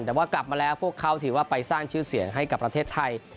แต่ว่ากลับมาแล้วพวกเขาถือว่าไปสร้างชื่อเสียงให้กับประเทศไทย